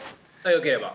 よければ。